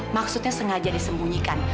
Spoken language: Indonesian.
maksudnya sengaja disembunyikan